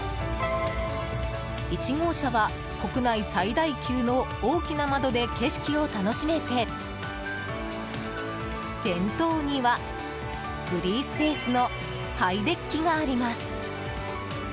１号車は国内最大級の大きな窓で景色を楽しめて先頭にはフリースペースのハイデッキがあります。